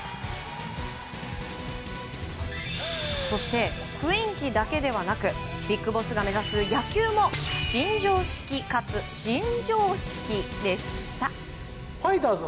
そして、雰囲気だけではなくビッグボスが目指す野球も新庄式かつ新常識でした。